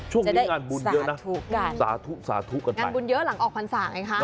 ช่วงนี้งานบุญเยอะนะสาธุสาธุกันงานบุญเยอะหลังออกพรรษาไงคะ